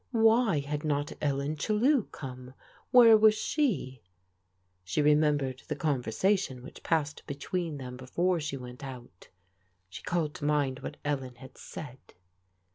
Why had not Ellen Chellew come? Where was she? She remembered the conversation which passed between them before she went out. She called to mind what Ellen had said.